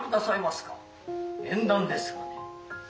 縁談ですがね」。